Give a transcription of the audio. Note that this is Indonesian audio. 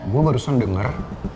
gue barusan denger